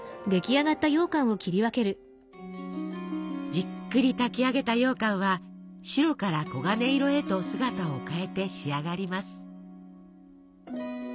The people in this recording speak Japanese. じっくり炊き上げたようかんは白から黄金色へと姿を変えて仕上がります。